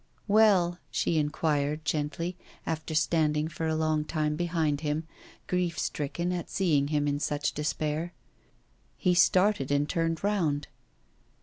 'Well,' she inquired gently, after standing for a long time behind him, grief stricken at seeing him in such despair. He started and turned round.